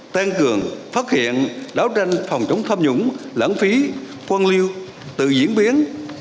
tăng cường phát hiện đáo tranh phòng chống tham nhũng lãng phí quân lưu tự diễn biến